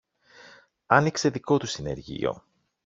άνοιξε δικό του συνεργείο.